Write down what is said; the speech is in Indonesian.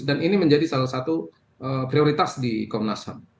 dan ini menjadi salah satu prioritas di komnas ham